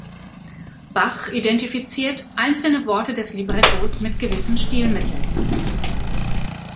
Bach identifiziert einzelne Worte des Librettos mit gewissen Stilmitteln.